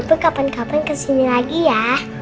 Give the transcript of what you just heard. lalu kapan kapan ke sini lagi ya